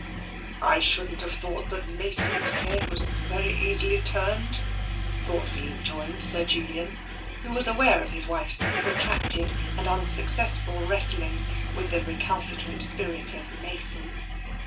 " I shouldn't have thought that Mason's head was very easily turned," thoughtfully rejoined Sir Julian, who was aware of his wife's protracted and unsuccess ful wrestlings with the recalcitrant spirit of Mason.